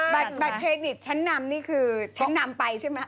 บัตรเครดิตชั้นนำนี่คือชั้นนำไปใช่ไหม